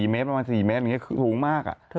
๔เมตรถูกมาก